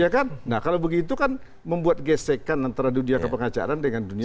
kalau begitu kan membuat gesekan antara dunia kepengacaran dengan dunia